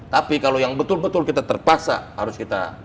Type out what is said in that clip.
tapi kalau yang betul betul kita terpaksa harus kita